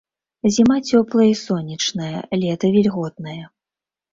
Зіма цёплая і сонечная, лета вільготнае.